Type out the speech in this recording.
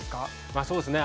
まあそうですね